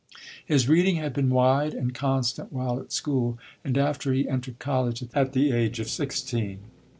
His reading had been wide and constant while at school, and after he entered college at the age of sixteen.